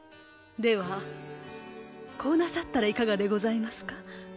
ではこうなさったらいかがでございますか？